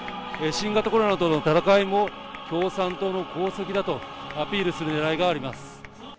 新型コロナとの闘いも共産党の功績だとアピールする狙いがあります。